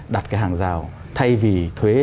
đặt cái hàng rào thay vì thuế